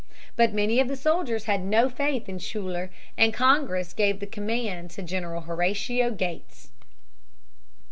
But many of the soldiers had no faith in Schuyler and Congress gave the command to General Horatio Gates.